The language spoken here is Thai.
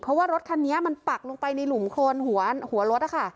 เพราะว่ารถคันนี้มันปักลงไปในหลุมโคนหัวรถ